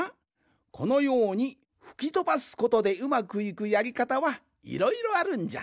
このようにふきとばすことでうまくいくやりかたはいろいろあるんじゃ。